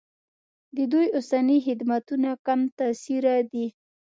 د دوی اوسني خدمتونه کم تاثیره دي.